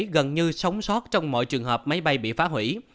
gần như sống sót trong mọi trường hợp máy bay bị phá hủy